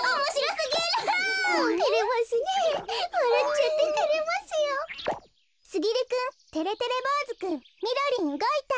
すぎるくんてれてれぼうずくんみろりんうごいた。